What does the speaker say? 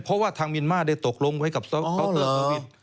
เพราะว่าทางเมียนมาร์ได้ตกลงไว้กับเขาเตือนสุวิน